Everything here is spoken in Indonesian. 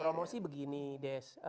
promosi begini des